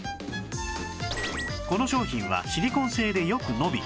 この商品はシリコン製でよく伸び